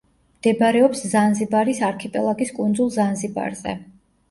მდებარეობს ზანზიბარის არქიპელაგის კუნძულ ზანზიბარზე.